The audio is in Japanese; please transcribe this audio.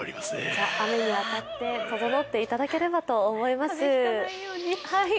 じゃあ、雨に当たってととのっていただければと思います。